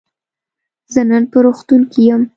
زه نن په روغتون کی یم.